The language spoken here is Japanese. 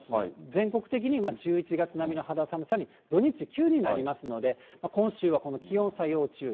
全国的に１１月並みの肌寒さに土日、急になりますので、今週はこの気温差、要注意。